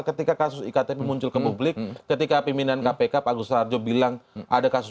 ketika kasus iktp muncul ke publik ketika pimpinan kpk pak agus rarjo bilang ada kasus